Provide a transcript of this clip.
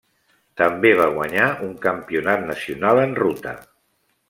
També va guanyar un campionat nacional en ruta.